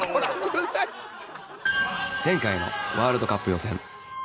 前回のワールドカップ予選